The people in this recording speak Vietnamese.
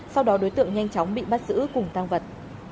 sau đó đối tượng nhanh chóng bị bắt giữ cùng tăng vật